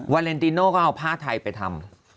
วาเลนติโน่ก็เอาผ้าไทยไปทำ